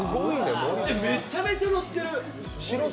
めちゃめちゃ乗ってる！